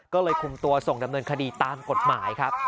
ก็เลยคุมตัวส่งดำเนินคดีตามกฎหมายครับ